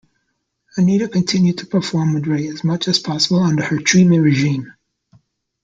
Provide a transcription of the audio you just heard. Anita continued to perform with Ray as much as possible under her treatment regime.